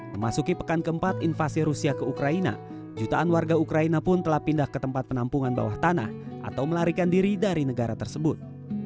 memasuki pekan keempat invasi rusia ke ukraina jutaan warga ukraina pun telah pindah ke tempat penampungan bawah tanah atau melarikan diri dari negara tersebut